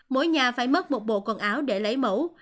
mỗi nhà phải mất một bộ quần áo để lấy mẫu